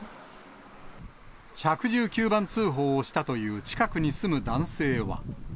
１１９番通報をしたという近くに住む男性は。